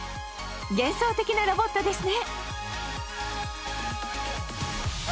幻想的なロボットですね。